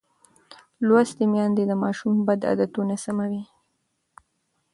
لوستې میندې د ماشوم بد عادتونه سموي.